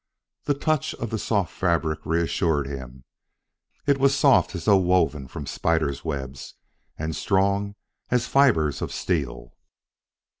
The touch of the soft fabric reassured him: it was as soft as though woven of spider's web, and strong as fibres of steel.